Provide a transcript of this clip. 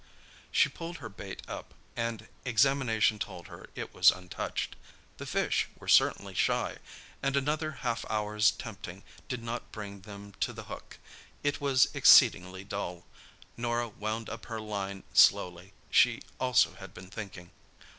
She pulled her bait up, and examination told her it was untouched. The fish were certainly shy, and another half hour's tempting did not bring them to the hook. It was exceedingly dull. Norah wound up her line slowly. She also had been thinking.